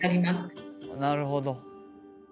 なるほど。